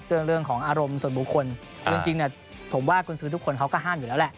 เรื่องเรื่องของอารมณ์ส่วนบุคคลจริงเนี่ยผมว่ากลุ่นสื่อทุกคนเขาก็ห้ามอยู่แล้วแหละ